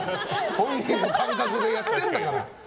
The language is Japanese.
本人の感覚でやってんだから。